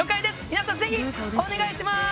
「皆さんぜひお願いします！